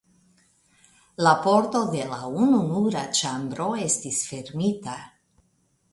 La pordo de la ununura ĉambro estis fermita.